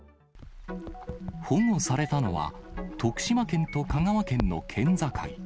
保護されたのは、徳島県と香川県の県境。